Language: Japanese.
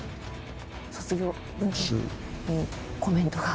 卒業文集にコメントが？